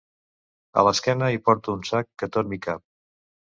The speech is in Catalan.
A l'esquena hi porto un sac que tot m'hi cap.